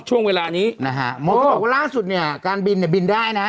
ช่วงเวลานี้นะฮะหมอก็บอกว่าล่าสุดเนี่ยการบินเนี่ยบินได้นะ